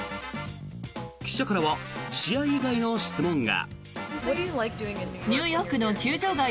記者からは試合以外の質問が。